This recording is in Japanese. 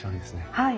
はい。